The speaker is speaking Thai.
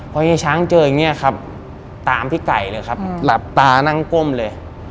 พอเฮียช้างเจออย่างนี้ครับตามพี่ไก่เลยครับหลับตานั่งก้มเลย